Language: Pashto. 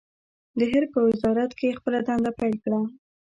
د حرب په وزارت کې يې خپله دنده پیل کړه.